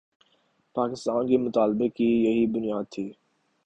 پاکستان کے مطالبے کی یہی بنیاد تھی۔